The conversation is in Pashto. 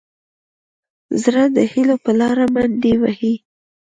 زړه د هيلو په لاره منډې وهي.